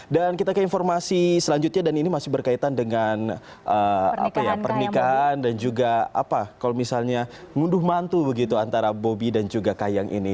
dan kita ke informasi selanjutnya dan ini masih berkaitan dengan pernikahan dan juga apa kalau misalnya ngunduh mantu begitu antara bobi dan juga kayang ini